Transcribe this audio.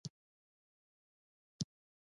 عصري تعلیم مهم دی ځکه چې د رهبرۍ وړتیا لوړوي.